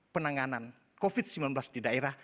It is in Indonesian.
penanganan covid sembilan belas di daerah